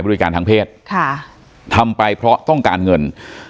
ผู้โดยการทางเพศค่ะทำไปเพราะต้องการเงิน